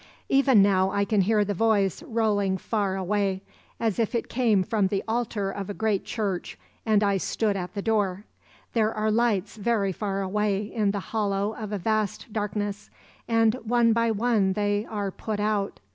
_ "Even now I can hear the voice rolling far away, as if it came from the altar of a great church and I stood at the door. There are lights very far away in the hollow of a vast darkness, and one by one they are put out.